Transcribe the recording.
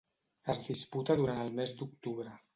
Es disputa durant el mes d'octubre.